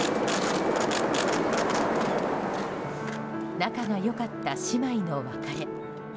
仲が良かった姉妹の別れ。